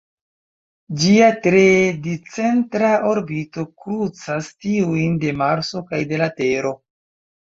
Ĝia tre discentra orbito krucas tiujn de Marso kaj de la Tero.